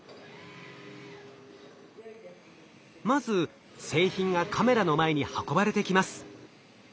まず製品がカメラの前に運ばれてきます。